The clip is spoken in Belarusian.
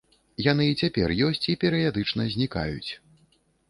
Яны і цяпер ёсць і перыядычна знікаюць.